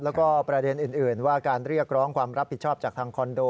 แล้วก็ประเด็นอื่นว่าการเรียกร้องความรับผิดชอบจากทางคอนโด